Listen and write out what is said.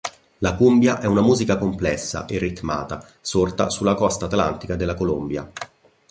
La Cumbia è una musica complessa e ritmata sorta sulla costa atlantica della Colombia.